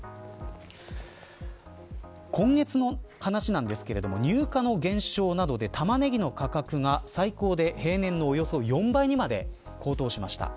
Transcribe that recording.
今月の話ですが入荷の減少などでタマネギの価格が最高で平年のおよそ４倍にまで高騰しました。